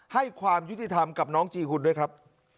ให้ความยุติธรรมกับน้องจีหุ่นด้วยครับ